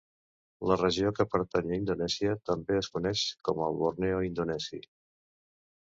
La regió que pertany a Indonèsia també es coneix com el Borneo indonesi.